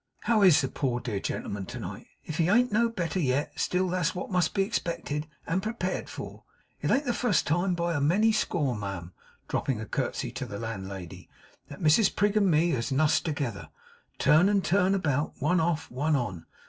How is the poor dear gentleman to night? If he an't no better yet, still that is what must be expected and prepared for. It an't the fust time by a many score, ma'am,' dropping a curtsey to the landlady, 'that Mrs Prig and me has nussed together, turn and turn about, one off, one on.